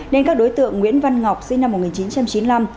nên các đối tượng nguyễn văn ngọc sinh năm một nghìn chín trăm chín mươi năm